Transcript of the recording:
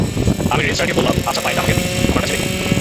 আমি রেজিস্ট্রারকে বললাম, আচ্ছা ফাইলটা আমাকে দিন, আমার কাছে রেখে দিই।